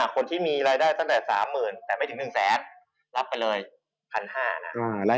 คนที่มีรายได้ตั้งแต่๓๐๐๐แต่ไม่ถึง๑แสนรับไปเลย๑๕๐๐นะ